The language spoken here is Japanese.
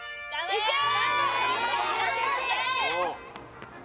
いけー！